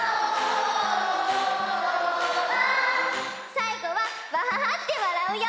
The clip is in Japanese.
さいごは「わはは」ってわらうよ！